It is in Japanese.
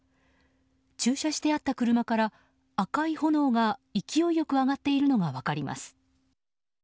駐車してあった車から赤い炎が勢いよく上がっているのが分かります。